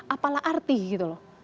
apalah arti gitu loh